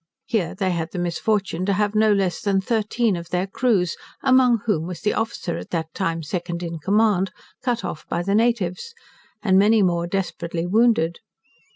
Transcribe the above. Here they had the misfortune to have no less than thirteen of their crews, among whom was the officer at that time second in command, cut off by the natives, and many more desperately wounded.